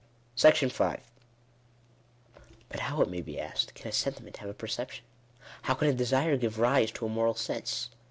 § 5. But how, it may be asked, can a sentiment have a percep ( tion ? how can a desire give rise to a moral sense